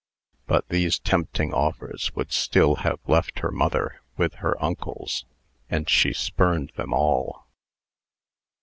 But these tempting offers would still have left her mother with her uncles, and she spurned them all.